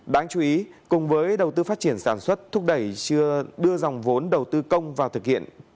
đáng chú ý cùng với đầu tư phát triển sản xuất thúc đẩy đưa dòng vốn đầu tư công vào thực hiện